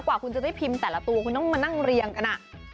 กว่าคุณจะได้พิมพ์แต่ละตัวคุณต้องมานั่งเรียงกัน